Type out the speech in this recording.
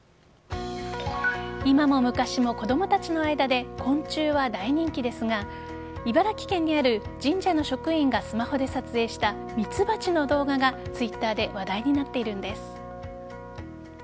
今も昔も子供たちの間で昆虫は大人気ですが茨城県にある神社の職員がスマホで撮影したミツバチの動画がＴｗｉｔｔｅｒで話題になっているんです。